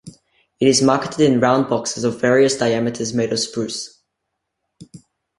It is marketed in round boxes of various diameters made of spruce.